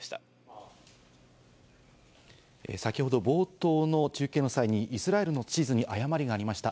先ほど、冒頭の中継の際に、イスラエルの地図に誤りがありました。